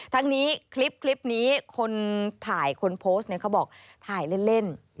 ทั้งนี้คลิปนี้คนถ่ายคนโพสต์เนี่ยเขาบอกถ่ายเล่น